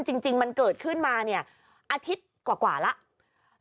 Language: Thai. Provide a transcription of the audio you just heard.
จริงมันเกิดขึ้นมาเนี่ยอาทิตย์กว่าแล้ว